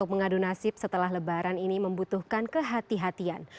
untuk mengadu nasib setelah lebaran ini membutuhkan kehati hatian